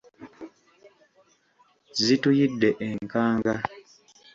Zituyidde enkanga.